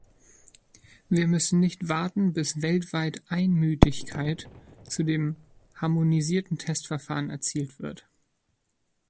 Wir müssen nicht warten, bis weltweit Einmütigkeit zu dem harmonisierten Testverfahren erzielt wird.